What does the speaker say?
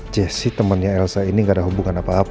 jaycee temennya elsa ini gak ada hubungan apa apa